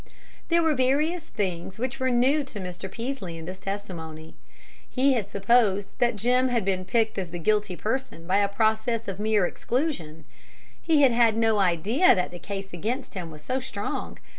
There were various things which were new to Mr. Peaslee in this testimony. He had supposed that Jim had been picked as the guilty person by a process of mere exclusion; he had had no idea that the case against him was so strong.